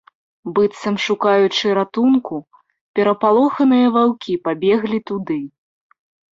Быццам шукаючы ратунку, перапалоханыя ваўкі пабеглі туды.